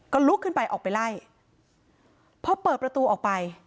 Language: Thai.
ก็ลุกขึ้นไปออกไปไล่พอเปิดประตูออกไป